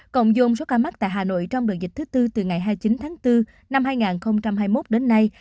cộng dông số ca mắc tại hà nội trong đợt dịch thứ tư từ ngày hai mươi chín tháng bốn năm hai nghìn hai mươi một đến nay